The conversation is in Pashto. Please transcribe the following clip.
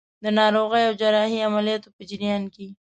د ناروغۍ او جراحي عملیاتو په جریان کې.